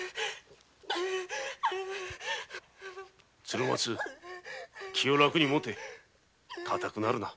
鶴松気を楽にもて固くなるな。